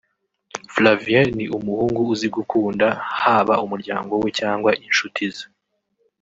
Flavien ni umuhungu uzi gukunda haba umuryango we cyangwa inshuti ze